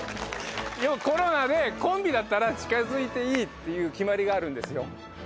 コロナでコンビだったら近づいていいっていう決まりがあるんですよ。